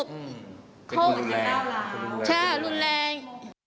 เขาเหมือนกันแล้วใช่รุนแรง